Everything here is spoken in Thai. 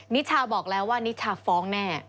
นิชาบอกแล้วว่านิชาฟ้องแน่